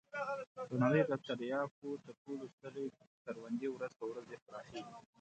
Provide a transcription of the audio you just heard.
د نړۍ د تریاکو تر ټولو سترې کروندې ورځ په ورځ پراخېږي.